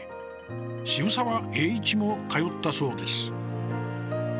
渋沢栄一も通ったそうです。